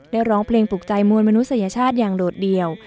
ร้องเพลงปลูกใจมวลมนุษยชาติอย่างโดดเดี่ยว